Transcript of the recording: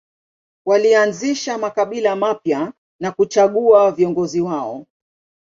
Walianzisha makabila mapya na kuchagua viongozi wao.